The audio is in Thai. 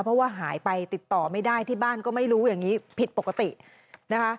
เพราะว่าหายไปติดต่อไม่ได้ที่บ้านก็ไม่รู้อย่างนี้ผิดปกตินะคะ